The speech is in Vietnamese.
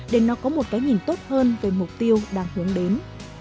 để nó có một cái nhìn tốt hơn về mục tiêu đang hướng đến